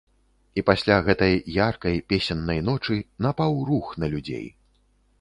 І пасля гэтай яркай, песеннай ночы, напаў рух на людзей.